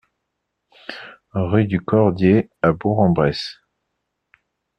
Rue du Cordier à Bourg-en-Bresse